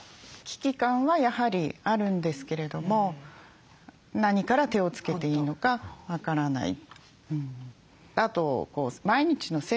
危機感はやはりあるんですけれども何から手をつけていいのか分からない。